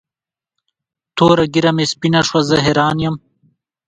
توره ږیره مې سپینه شوه زه حیران یم.